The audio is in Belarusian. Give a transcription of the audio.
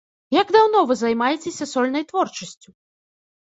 Як даўно вы займаецеся сольнай творчасцю?